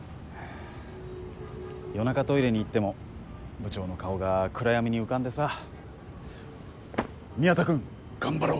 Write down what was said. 夜中トイレに行っても部長の顔が暗闇に浮かんでさ「宮田君！頑張ろう！」